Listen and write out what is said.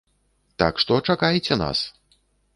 Так што чакайце нас!!!